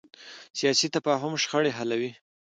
سیاسي تفاهم شخړې حلوي